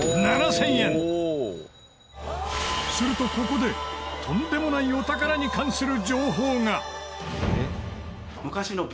するとここでとんでもないお宝に関する情報が！